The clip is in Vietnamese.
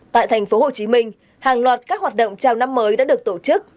tại thành phố hồ chí minh hàng loạt các hoạt động chào năm mới đã được tổ chức